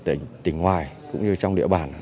ở tỉnh ngoài cũng như trong địa bàn